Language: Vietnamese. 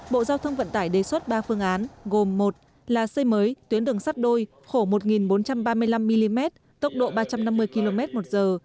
bộ giao thông vận tải đề xuất ba phương án gồm một là xây mới tuyến đường sắt đôi khổ một bốn trăm ba mươi năm mm tốc độ ba trăm năm mươi km một giờ